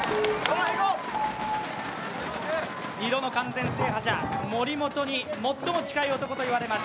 ２度の完全制覇者、森本に最も近い男といわれます。